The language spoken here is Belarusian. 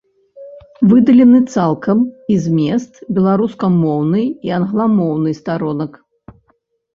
Выдалены цалкам і змест беларускамоўнай і англамоўнай старонак.